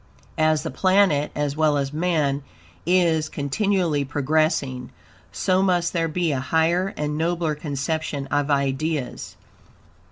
As the planet, as well as man, is continually progressing, so must there be a higher and nobler conception of ideas.